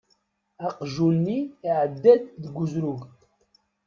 Aqjun-nni iεedda-d deg uzrug.